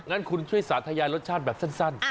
งั้นคุณช่วยสาธยายรสชาติแบบสั้น